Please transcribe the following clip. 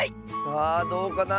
さあどうかな？